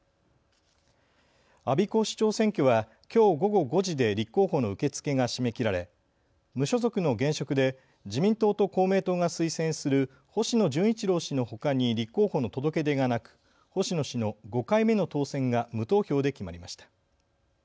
我孫子市長選挙はきょう午後５時で立候補の受け付けが締め切られ、無所属の現職で自民党と公明党が推薦する星野順一郎氏のほかに立候補の届け出がなく星野氏の５回目の当選が無投票で決まりました。